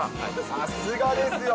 さすがですよ。